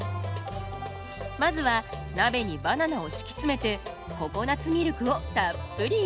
まずは鍋にバナナを敷き詰めてココナツミルクをたっぷり入れる。